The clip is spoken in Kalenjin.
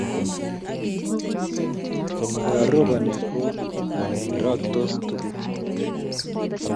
yaroboni ko nyerokisot tuguk